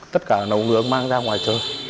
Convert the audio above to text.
tất cả nấu nướng mang ra ngoài chơi